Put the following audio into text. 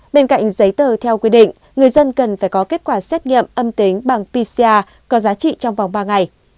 bên cạnh giấy tờ theo quy định người dân cần phải có kết quả xét nghiệm âm tính bằng pcr có giá trị trong vòng ba ngày